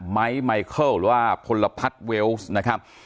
ไม้ไมเคิลหรือว่าพลพัฒน์เวลส์นะครับ